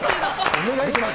お願いします。